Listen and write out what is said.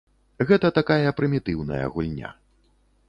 Гэта такая прымітыўная гульня.